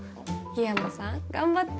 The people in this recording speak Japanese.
緋山さん頑張って。